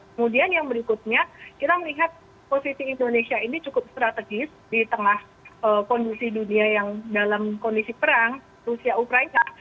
kemudian yang berikutnya kita melihat posisi indonesia ini cukup strategis di tengah kondisi dunia yang dalam kondisi perang rusia ukraina